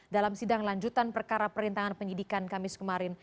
dalam sidang lanjutan perkara perintangan penyidikan kamis kemarin